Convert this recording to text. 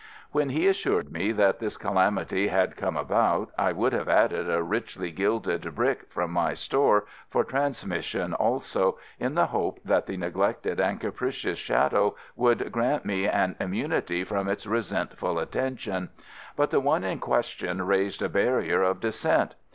When he assured me that this calamity had come about, I would have added a richly gilded brick from my store for transmission also, in the hope that the neglected and capricious shadow would grant me an immunity from its resentful attention, but the one in question raised a barrier of dissent.